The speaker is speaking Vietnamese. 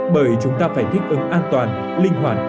bởi chúng ta phải thích ứng an toàn linh hoạt